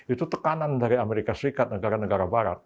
itu tekanan dari amerika serikat negara negara barat